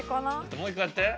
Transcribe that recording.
もう一回やって。